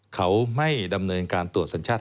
เขาไม่ดำเนินการตรวจสัญชาติ